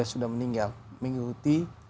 sudah meninggal mengikuti